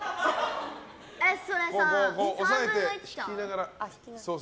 それさ、３分の１ちゃう？